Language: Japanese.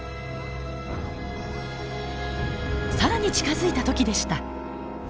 さらに近づいた時でした。